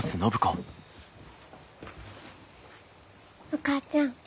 お母ちゃん